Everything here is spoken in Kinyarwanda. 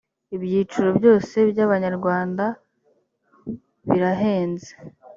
ibyiciro byose by abanyarwanda birahenze